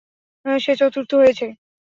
সে চতুর্থ হয়েছে।